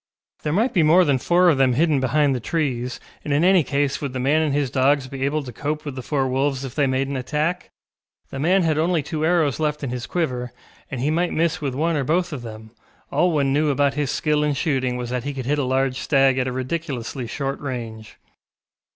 There might be more than four of them hidden behind the trees, and in any case would the man and his dogs be able to cope with the four wolves if they made an attack? The man had only two arrows left in his quiver, and he might miss with one or both of them; all one knew about his skill in shooting was that he could hit a large stag at a ridiculously short range.